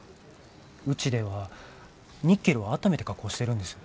うちではニッケルはあっためて加工してるんです。